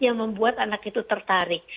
yang membuat anak itu tertarik